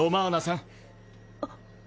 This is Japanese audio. あっ。